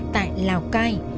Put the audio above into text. tại lào cai